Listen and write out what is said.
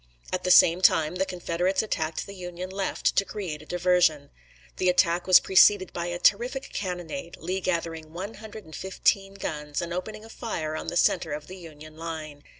At the same time, the Confederates attacked the Union left to create a diversion. The attack was preceded by a terrific cannonade, Lee gathering one hundred and fifteen guns, and opening a fire on the center of the Union line.